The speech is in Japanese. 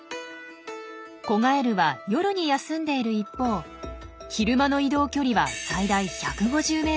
子ガエルは夜に休んでいる一方昼間の移動距離は最大１５０ｍ以上。